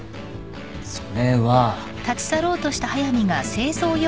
それは。